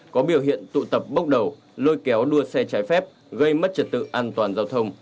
có biểu hiện tụ tập bóc đầu lôi kéo đua xe trái phép gây mất trật tự an toàn giao thông